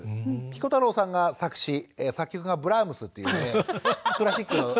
ピコ太郎さんが作詞作曲がブラームスっていうねクラシックの。